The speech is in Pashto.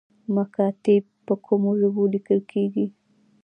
مکاتیب په کومو ژبو لیکل کیږي؟